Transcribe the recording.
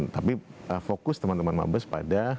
tapi fokus teman teman mabes pada